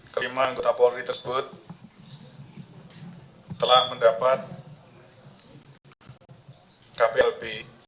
kelima anggota polri tersebut telah mendapat kplb